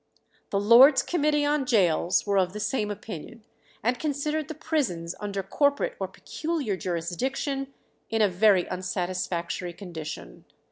The Lords' Committee on Gaols were of the same opinion, and considered the prisons under corporate or peculiar jurisdiction in a very unsatisfactory condition.